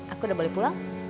aku udah balik pulang